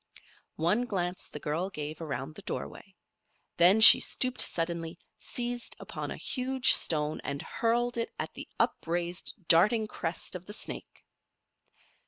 One glance the girl gave around the doorway. Then she stooped suddenly, seized upon a huge stone and hurled it at the upraised, darting crest of the snake.